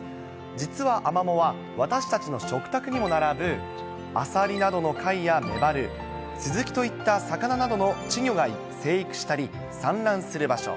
実はアマモは、私たちの食卓にも並ぶアサリなどの貝やメバル、スズキといった魚などの稚魚が成育したり産卵する場所。